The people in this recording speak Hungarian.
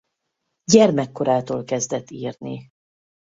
Gyermekkorától kezdett írni.